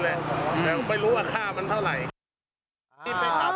แต่ไม่รู้ว่าค่ามันเท่าไหร่